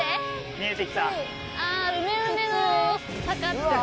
見えてきた。